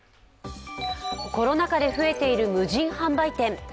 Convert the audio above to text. コロナ禍で増えている無人販売店。